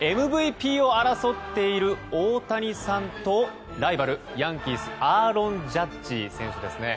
ＭＶＰを争っている大谷さんとライバル、ヤンキースアーロン・ジャッジ選手ですね。